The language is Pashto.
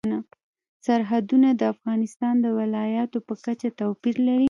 سرحدونه د افغانستان د ولایاتو په کچه توپیر لري.